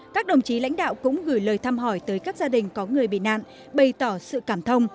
các đồng chí lãnh đạo cũng gửi lời thăm hỏi tới các gia đình có người bị nạn bày tỏ sự cảm thông